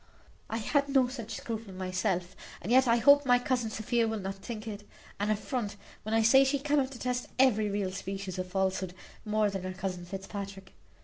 I had no such scruple myself; and yet I hope my cousin Sophia will not think it an affront when I say she cannot detest every real species of falsehood more than her cousin Fitzpatrick.